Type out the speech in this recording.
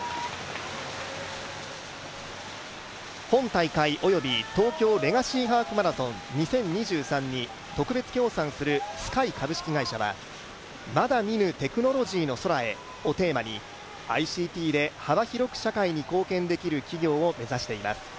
本大会及び東京レガシーハーフマラソン、２０２３は、特別協賛するＳｋｙ株式会社は、まだ見ぬテクノロジーの空へをテーマにＩＣＴで幅広く社会に貢献できる企業を目指しています。